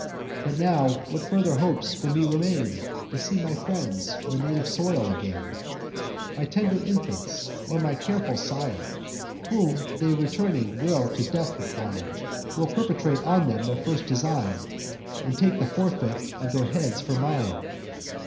But now what further hopes for me remain, To see my friends, or native soil, again; My tender infants, or my careful sire, Whom they returning will to death require; Will perpetrate on them their first design, And take the forfeit of their heads for mine?